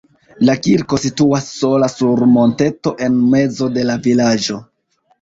La kirko situas sola sur monteto en mezo de la vilaĝo.